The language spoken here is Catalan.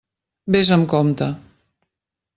Vés amb compte!